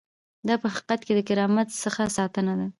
دا په حقیقت کې د کرامت څخه ساتنه ده.